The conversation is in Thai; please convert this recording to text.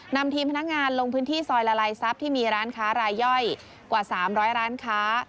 นำทีมพนักงานลงพื้นที่ซอยละลายทรัพย์ที่มีร้านค้ารายย่อยกว่า๓๐๐ร้านค้า